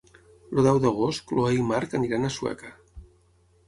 El deu d'agost na Chloé i en Marc iran a Sueca.